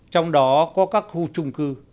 trong đó có các khu trung cư